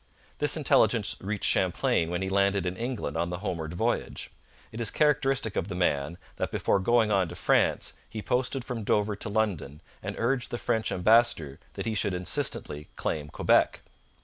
This intelligence reached Champlain when he landed in England on the homeward voyage. It is characteristic of the man, that before going on to France he posted from Dover to London, and urged the French ambassador that he should insistently claim Quebec.